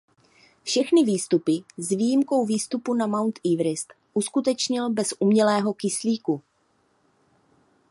Všechny výstupy s výjimkou výstupu na Mount Everest uskutečnil bez umělého kyslíku.